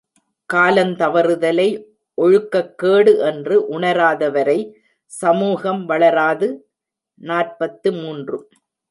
காலந் தவறுதலை ஒழுக்கக்கேடு என்று உணராதவரை சமூகம் வளராது! நாற்பத்து மூன்று.